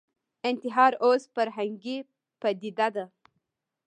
انتحار اوس فرهنګي پدیده ده